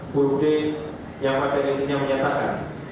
buru d yang pada intinya menyatakan